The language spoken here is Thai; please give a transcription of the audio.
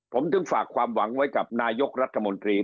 ผมถึงฝากความหวังไว้กับนายกรัฐมนตรี